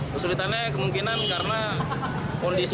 kesulitannya kemungkinan karena kondisi